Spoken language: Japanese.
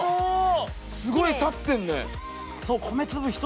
すごい立ってんね。